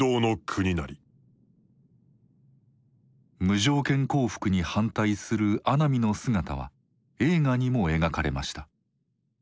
無条件降伏に反対する阿南の姿は映画にも描かれました。